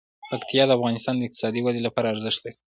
پکتیا د افغانستان د اقتصادي ودې لپاره ارزښت لري.